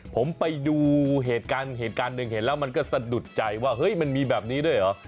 ผมไปดูเหตุการณ์หนึ่งเห็นแล้วมันก็สะดุดใจว่ามันมีแบบนี้ด้วยหรอ